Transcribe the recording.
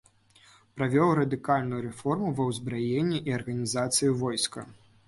Правёў радыкальную рэформу ва ўзбраенні і арганізацыі войска.